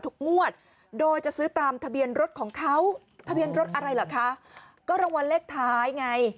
งวดโดยจะซื้อตามทะเบียนรถของเขาทะเบียนรถอะไรเหรอคะก็รางวัลเลขท้ายไง